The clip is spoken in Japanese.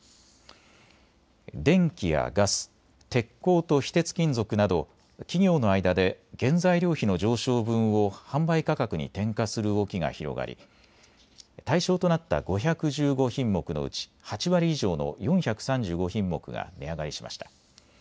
電気やガス、鉄鋼と非鉄金属など企業の間で原材料費の上昇分を販売価格に転嫁する動きが広がり対象となった５１５品目のうち８割以上の４３５品目が値上がりしました。